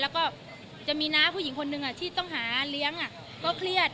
แล้วก็จะมีน้าผู้หญิงคนหนึ่งที่ต้องหาเลี้ยงก็เครียด